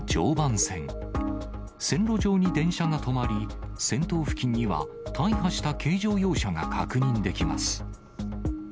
線路上に電車が止まり、先頭付近には大破した軽乗用車が確認できます。